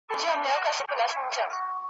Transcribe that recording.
پلنډه نه وه د طلاوو خزانه وه `